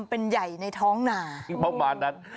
ประมาณนั้น